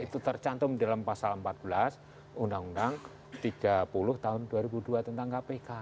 itu tercantum dalam pasal empat belas undang undang tiga puluh tahun dua ribu dua tentang kpk